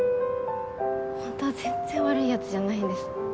ホントは全然悪いヤツじゃないんです。